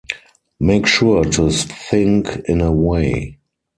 Make sure to think in a way.